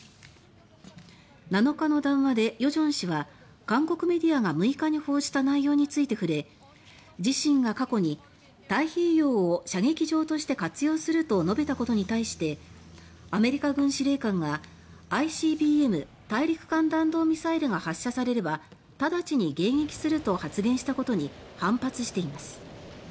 ７日の談話で与正氏は韓国メディアが６日に報じた内容について触れ自身が過去に「太平洋を射撃場として活用する」と述べたことに対してアメリカ軍司令官が「ＩＣＢＭ・大陸間弾道ミサイルが発射されれば直ちに迎撃する」と発言したことに反発しています。